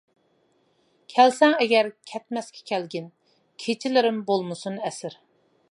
كەلسەڭ ئەگەر كەتمەسكە كەلگىن، كېچىلىرىم بولمىسۇن ئەسىر.